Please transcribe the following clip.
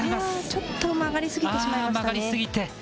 ちょっと曲がり過ぎてしまいましたね。